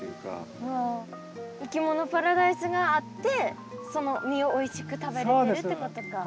いきものパラダイスがあってその実をおいしく食べられるってことか。